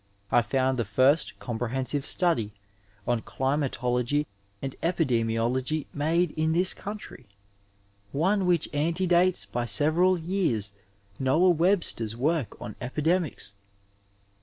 I found the first comprehensive study on climatology and epidemiology made in this country, one which antedates by several years Noah Webster's work on epidemics.